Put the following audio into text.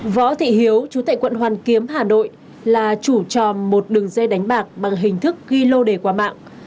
võ thị hiếu chú tại quận hoàn kiếm hà nội là chủ tròm một đường dây đánh bạc bằng hình thức ghi lô đề qua mạng